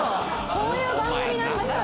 そういう番組なんだから。